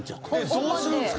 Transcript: どうするんですか？